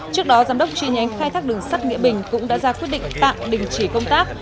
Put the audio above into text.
trước đó giám đốc tri nhánh khai thác đường sắt nghĩa bình cũng đã ra quyết định tạm đình chỉ công tác